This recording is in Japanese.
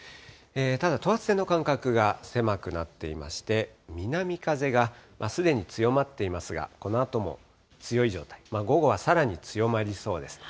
ただ等圧線の間隔が狭くなっていまして、南風がすでに強まっていますが、このあとも強い状態、午後はさらに強まりそうです。